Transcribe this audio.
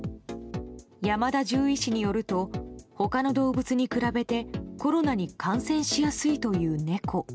山田獣医師によると他の動物に比べてコロナに感染しやすいという猫。